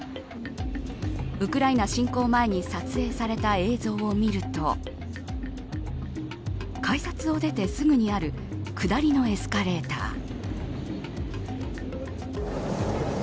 ウクライナ侵攻前に撮影された映像を見ると改札を出てすぐにある下りのエスカレーター。